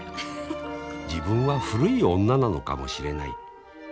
自分は古い女なのかもしれない。